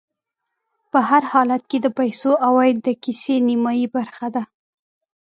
په هر حالت کې د پیسو عوايد د کيسې نیمایي برخه ده